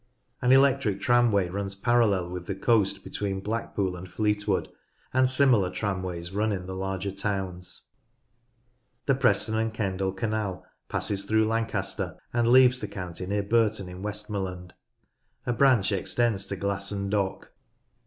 An electric tramway runs parallel with the coast between Blackpool and Fleetwood, and similar tramways run in the larger towns. The Preston and Kendal canal passes through Lan caster and leaves the county near Burton in Westmorland. A branch extends to Glasson Dock.